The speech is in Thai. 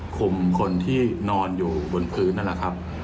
คนที่นอนอยู่บนพื้นนั่นแหละครับ